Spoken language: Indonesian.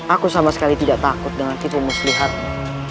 aku sama sekali tidak takut dengan tipu muslihatmu